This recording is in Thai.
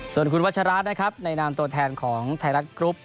ส่วนคุณวัชรานะครับในนามตัวแทนของไทยรัฐกรุ๊ป